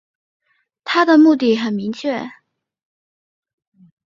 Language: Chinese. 他的目标很明确